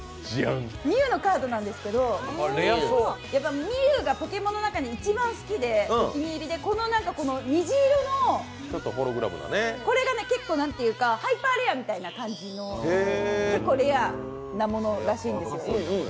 ミュウのカードなんですけど、ミュウがポケモンの中で一番好きで、お気に入りで虹色のこれが結構ハイパーレアみたいな感じの結構レアなものらしいんですよ。